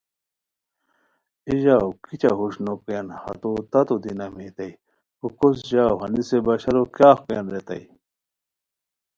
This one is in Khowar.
ایے ژاؤ کیچہ ہوݰ نوکویان، ہتو تتو دی نامئیتائے ،کوکوس ژاؤ ہنیسے پشاورو کیاغ کویان ریتائے